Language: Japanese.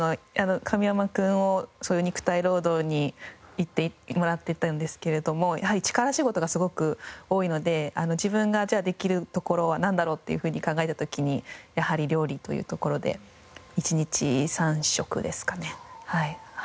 神山君をそういう肉体労働に行ってもらってたんですけれどもやはり力仕事がすごく多いので自分ができるところはなんだろうっていうふうに考えた時にやはり料理というところで１日３食ですかね。